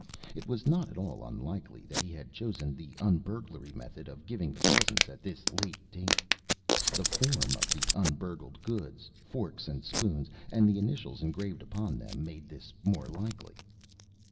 It was not at all unlikely that he had chosen the un burglary method of giving the presents at this late date. The form of the un burgled goods forks and spoons and the initials engraved upon them, made this more likely.